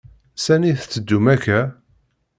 S ani i tettedum akka?